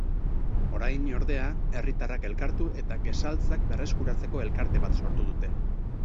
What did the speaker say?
Orain, ordea, herritarrak elkartu eta gesaltzak berreskuratzeko elkarte bat sortu dute.